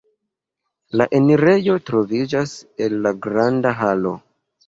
La enirejo troviĝas el la granda halo.